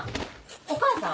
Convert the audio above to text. お母さん？